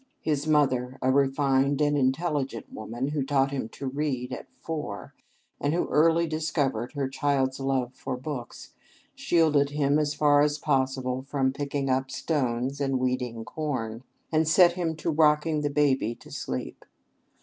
His mother, a refined and intelligent woman, who taught him to read at four, and who early discovered her child's love for books, shielded him as far as possible from picking up stones and weeding corn, and set him to rocking the baby to sleep.